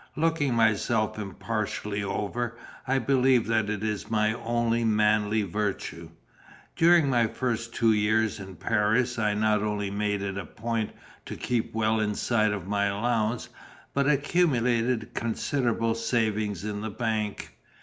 Looking myself impartially over, I believe that is my only manly virtue. During my first two years in Paris I not only made it a point to keep well inside of my allowance, but accumulated considerable savings in the bank.